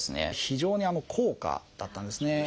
非常に高価だったんですね。